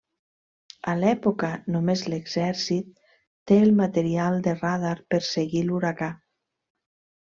A l'època, només l'exèrcit té el material de radar per seguir l'huracà.